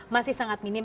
masih sangat minim